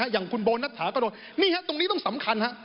อย่างคุณโบนัฐาก็โดนนี่ฮะตรงนี้ต้องสำคัญฮะ